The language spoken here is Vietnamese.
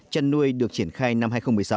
chăn nuôi được triển khai năm hai nghìn một mươi sáu